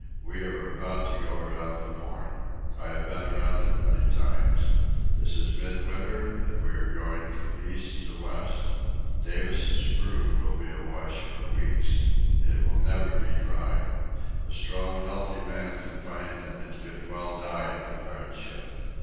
We are about to go around the Horn. I have been around it many times. This is midwinter, and we are going from east to west. Davis' room will be awash for weeks. It will never be dry. A strong healthy man confined in it could well die of the hardship.